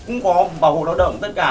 cũng có bảo hộ lao động tất cả